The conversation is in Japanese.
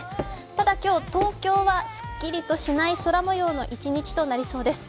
ただ、今日、東京はすっきりしない空模様の一日となりそうです。